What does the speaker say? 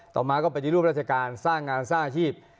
ต่อมาก็ปฏิรูปราชการสร้างงานสร้างอาชีพ